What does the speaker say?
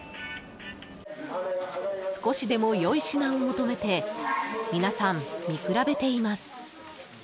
少しでも良い品を求めて皆さん、見比べています。